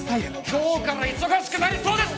今日から忙しくなりそうです。